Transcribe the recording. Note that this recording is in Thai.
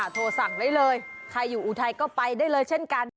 โทรสั่งได้เลยใครอยู่อุทัยก็ไปได้เลยเช่นกัน